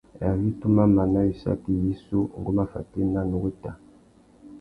Ari tu má mana wissaki yissú, ngu má fatēna, nnú wéta.